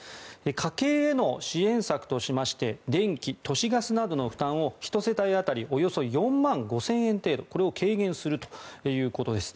家計への支援策として電気・都市ガスなどの負担を１世帯当たりおよそ４万５０００円程度これを軽減するということです。